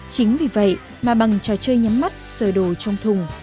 chính vì vậy mà bằng trò chơi nhắm mắt sửa đồ trong thùng